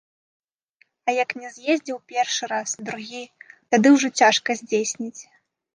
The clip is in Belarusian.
А як не з'ездзіў першы раз, другі, тады ўжо цяжка здзейсніць.